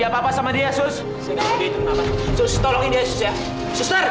pak turunin cita pak